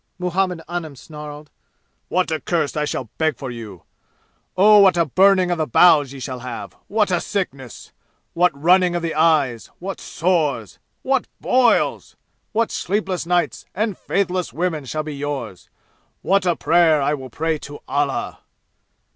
Muhammad Anim snarled. "What a curse I shall beg for you! Oh, what a burning of the bowels ye shall have! What a sickness! What running of the eyes! What sores! What boils! What sleepless nights and faithless women shall be yours! What a prayer I will pray to Allah!"